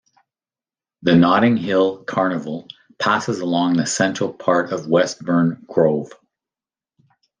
The Notting Hill Carnival passes along the central part of Westbourne Grove.